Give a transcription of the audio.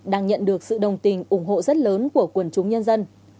đang nhận được sự đồng tình ủng hộ rất lớn của quần chúng nhân dân